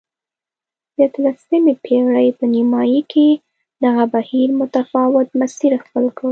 د اتلسمې پېړۍ په نیمايي کې دغه بهیر متفاوت مسیر خپل کړ.